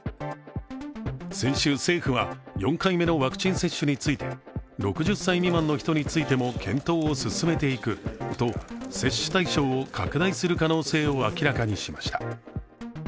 先週政府は、４回目のワクチン接種について６０歳未満の人についても検討を進めていくと接種対象を拡大する可能性を明らかにしました。